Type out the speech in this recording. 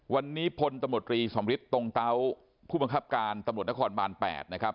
วันนี้พลตำรวจรีสมฤทธิตรงเตาผู้บังคับการตำรวจนครบาน๘นะครับ